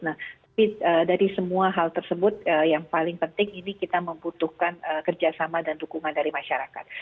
nah tapi dari semua hal tersebut yang paling penting ini kita membutuhkan kerjasama dan dukungan dari masyarakat